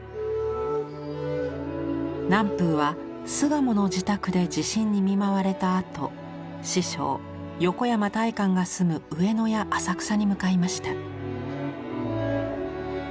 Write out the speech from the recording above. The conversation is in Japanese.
南風は巣鴨の自宅で地震に見舞われた後師匠横山大観が住む上野や浅草に向かいました。